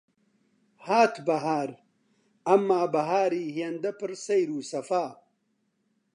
هات بەهار، ئەمما بەهاری هێندە پڕ سەیر و سەفا